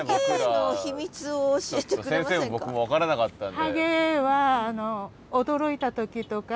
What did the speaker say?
先生も僕も分からなかったんで。